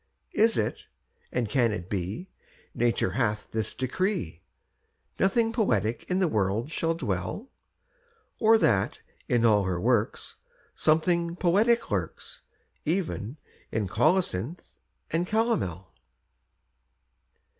Is it, and can it be, Nature hath this decree, Nothing poetic in the world shall dwell? Or that in all her works Something poetic lurks, Even in colocynth and calomel?